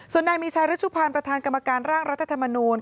ส่วนนายมีชายฤชุพันธ์ประธานกรรมการร่างรัฐธรรมนูล